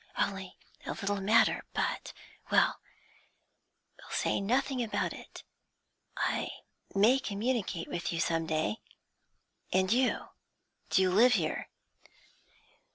'Only a little matter, but Well, we'll say nothing about it; I may communicate with you some day. And you? Do you live here?'